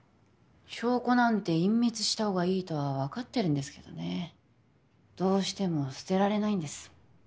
証拠なんて隠滅した方がいいとは分かってるんですけどねどうしても捨てられないんです